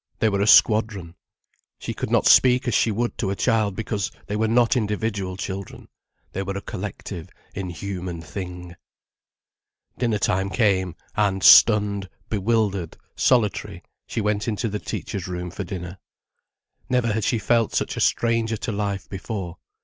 They were a squadron. She could not speak as she would to a child, because they were not individual children, they were a collective, inhuman thing. Dinner time came, and stunned, bewildered, solitary, she went into the teachers' room for dinner. Never had she felt such a stranger to life before.